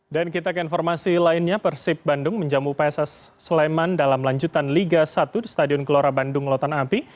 dan kita ke informasi lainnya persib bandung menjamu pss sleman dalam lanjutan liga satu di stadion kelora bandung lotan api